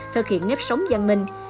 thực hiện nếp sống giang minh